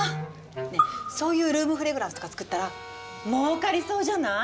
ねえそういうルームフレグランスとか作ったら儲かりそうじゃない？